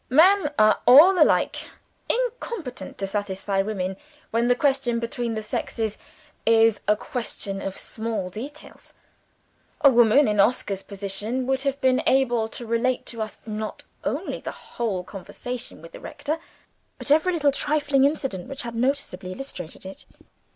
Men are all alike incompetent to satisfy women, when the question between the sexes is a question of small details. A woman, in Oscar's position, would have been able to relate to us, not only the whole conversation with the rector, but every little trifling incident which had noticeably illustrated it.